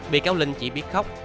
vị cáo linh chỉ biết khóc